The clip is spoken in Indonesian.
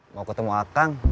mau ketemu akang